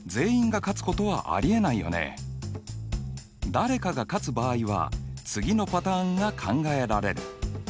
誰かが勝つ場合は次のパターンが考えられる。